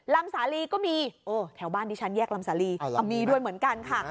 สาลีก็มีโอ้แถวบ้านดิฉันแยกลำสาลีก็มีด้วยเหมือนกันค่ะ